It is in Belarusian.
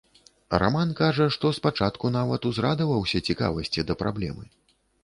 Раман кажа, што спачатку нават узрадаваўся цікавасці да праблемы.